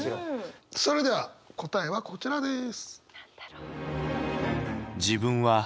それでは答えはこちらです。